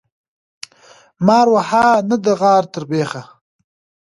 مار وهه ، نه د غار تر بيخه.